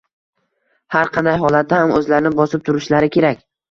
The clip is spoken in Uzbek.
Har qanday holatda ham o`zlarini bosib turishlari kerak